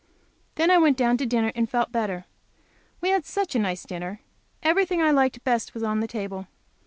Then I went down to dinner and felt better. We had such a nice dinner! Everything I liked best was on the table.